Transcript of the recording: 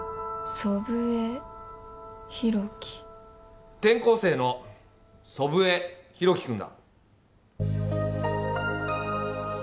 祖父江広樹転校生の祖父江広樹君だ